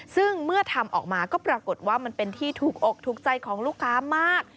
ซึ่งเมื่อทำออกมาก็ปรากฏว่ามันเป็นที่ถูกอกถูกใจของลูกค้ามาก